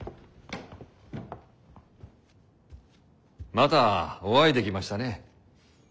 またお会いできましたね。